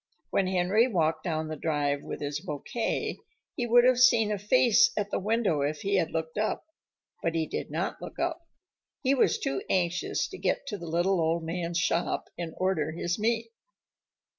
When Henry walked down the drive with his "bouquet," he would have seen a face at the window if he had looked up. But he did not look up. He was too anxious to get to the little old man's shop and order his meat.